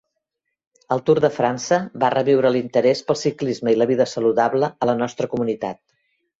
El Tour de França va reviure l'interès pel ciclisme i la vida saludable a la nostra comunitat.